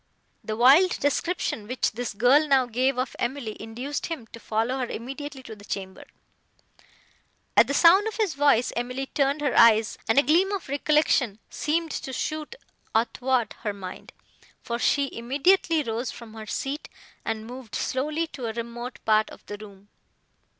The wild description, which this girl now gave of Emily, induced him to follow her immediately to the chamber. At the sound of his voice, Emily turned her eyes, and a gleam of recollection seemed to shoot athwart her mind, for she immediately rose from her seat, and moved slowly to a remote part of the room.